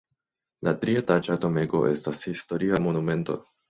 La trietaĝa domego estas historia monumento.